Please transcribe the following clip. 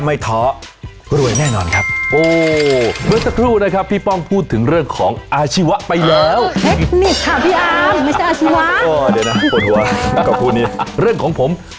เริ่มต้นนะฮะที่ราคา๓๐บาทเอง